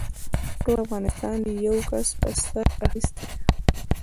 ټول افغانستان دې يوه کس په سر اخيستی.